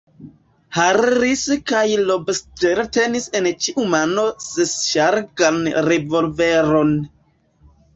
Harris kaj Lobster tenis en ĉiu mano sesŝargan revolveron.